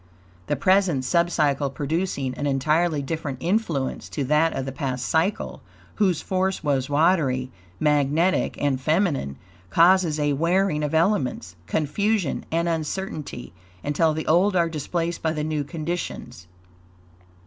The present sub cycle producing an entirely different influence to that of the past cycle, whose force was watery, magnetic and feminine, causes a warring of elements, confusion and uncertainty, until the old are displaced by the new conditions.